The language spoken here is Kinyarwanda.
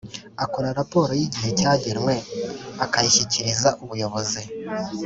akora raporo y igihe cyagenwe akayishyikiriza ubuyobozi